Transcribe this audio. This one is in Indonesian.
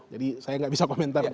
jadi saya nggak bisa komentar